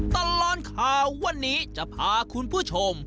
ตลอดข่าววันนี้จะพาคุณผู้ชม